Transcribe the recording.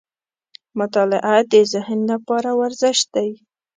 • مطالعه د ذهن لپاره ورزش دی.